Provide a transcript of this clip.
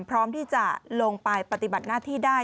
พร้อมที่จะลงไปปฏิบัติหน้าที่ได้